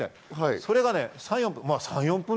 それが３４分。